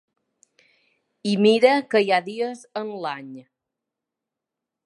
I mira que hi ha dies en l’any.